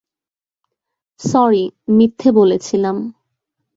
Sorry, মিথ্যে বলেছিলাম।